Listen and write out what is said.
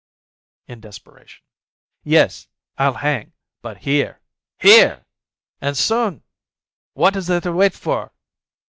(in desperation). "Yes, I'll hang, but here, here! And soon ! What is there to wait for?"